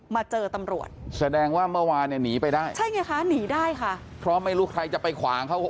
มาเจอตำรวจแสดงว่าเมื่อวานเนี่ยหนีไปได้ใช่ไงคะหนีได้ค่ะเพราะไม่รู้ใครจะไปขวางเขา